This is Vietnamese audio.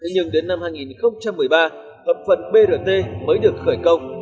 nhưng đến năm hai nghìn một mươi ba hợp phần brt mới được khởi công